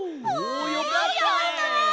およかった！